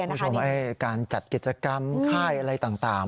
คุณผู้ชมการจัดกิจกรรมค่ายอะไรต่าง